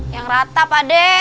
yang rata pak de